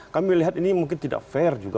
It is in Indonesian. kami melihat ini mungkin tidak fair juga